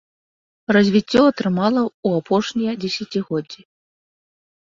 Развіццё атрымала ў апошнія дзесяцігоддзі.